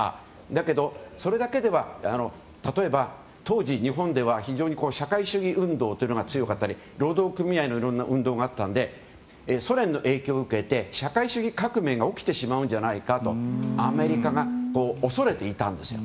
だけど、それだけでは例えば当時日本では非常に社会主義運動が強かったり労働組合のいろいろな運動があったのでソ連の影響を受けて社会主義革命が起きてしまうんじゃないかとアメリカが恐れていたんです。